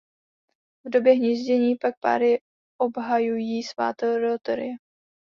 V době hnízdění pak páry obhajují svá teritoria.